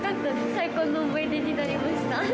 最高の思い出になりました。